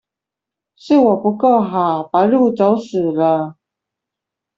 是我不夠好，把路走死了